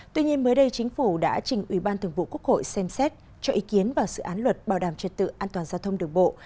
tuy nhiên mới đây chính phủ đã trình ubthq xem xét cho ý kiến vào sự án luật bảo đảm truyền tự an toàn giao thông đường bộ